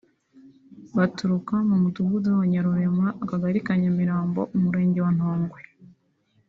baturuka mu mudugudu wa Nyarurema akagari ka Nyamirambo umurenge wa Ntongwe